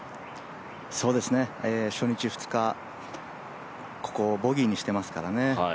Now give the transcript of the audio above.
初日、２日、ここをボギーにしていますからね。